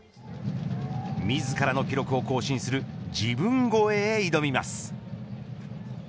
自らの記録を更新する自分超えへ挑みます。